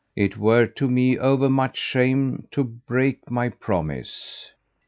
It were to me overmuch shame to break my promise.